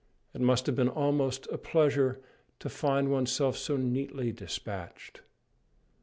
It must have been almost a pleasure to find oneself so neatly despatched!